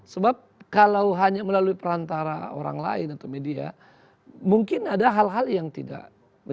sebab kalau hanya melalui perantara orang lain atau media mungkin ada hal hal yang tidak